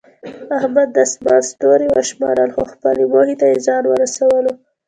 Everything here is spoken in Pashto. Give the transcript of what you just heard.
احمد د اسمان ستوري وشمارل، خو خپلې موخې ته یې ځان ورسولو.